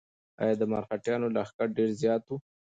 ایا د مرهټیانو لښکر ډېر زیات و؟